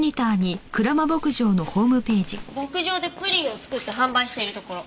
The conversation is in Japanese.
牧場でプリンを作って販売しているところ。